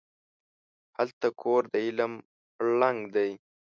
هلته کور د علم ړنګ دی